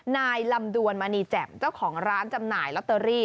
นายลำดวนมณีแจ่มเจ้าของร้านจำหน่ายลอตเตอรี่